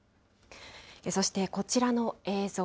そしてこちらの映像。